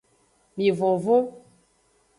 Mi vonvon.